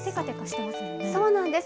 そうなんです。